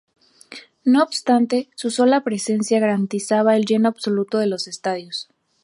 No obstante, su sola presencia garantizaba el lleno absoluto de los estadios.